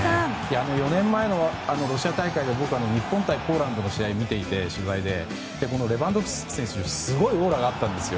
４年前のロシア大会で僕日本対ポーランドの試合を取材で見ていてレバンドフスキ選手ってすごいオーラがあったんです。